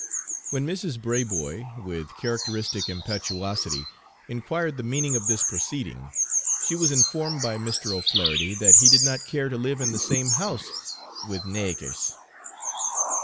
When Mrs. Braboy, with characteristic impetuosity, inquired the meaning of this proceeding, she was informed by Mr. O'Flaherty that he did not care to live in the same house "wid naygurs."